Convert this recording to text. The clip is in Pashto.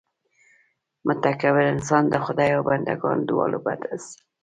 متکبر انسان د خدای او بندګانو دواړو بد اېسي.